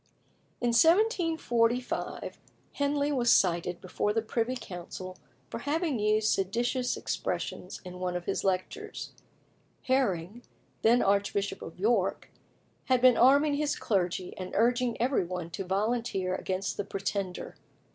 In 1745 Henley was cited before the Privy Council for having used seditious expressions in one of his lectures. Herring, then Archbishop of York, had been arming his clergy, and urging every one to volunteer against the Pretender.